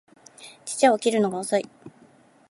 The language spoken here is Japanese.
父は起きるのが遅い